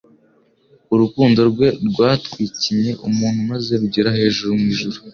Urukundo rwe rwatwikinye umuntu maze rugera hejuru mu ijuru: